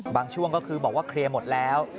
ช่วงก็คือบอกว่าเคลียร์หมดแล้ว